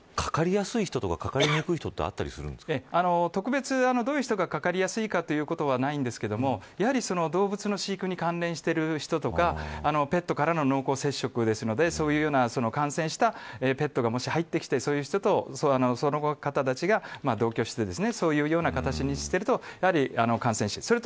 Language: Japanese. かかりやすい人とかかかりにくい人とか特別どういう人がかかりやすいとかあったりするわけじゃないんですが、やはり動物の飼育に関連している人とかペットからの濃厚接触ですのでそういうような感染したペットが入ってきて、そういう人とその方たちが同居してそういうような形にしているとやはり感染しやすい。